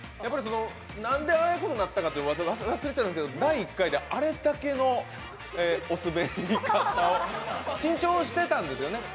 なんでああいうことになったか忘れてたんですけど、第１回であれだけのおすべりがあって、緊張してたんですよね。